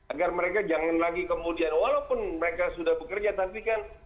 agar mereka jangan lagi kemudian walaupun mereka sudah bekerja tapi kan